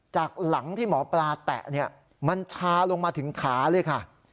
จากหลังที่หมอปลาแตะมันชาลงมาถึงขาเลยค่ะ